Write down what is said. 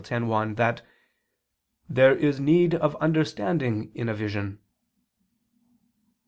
10:1) that "there is need of understanding in a vision."